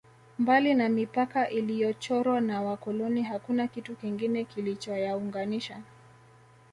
Mbali na mipaka iliyochorwa na wakoloni hakuna kitu kingine kilichoyaunganisha